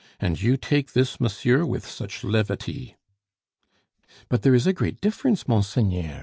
And you take this, monsieur, with such levity." "But there is a great difference, monseigneur!"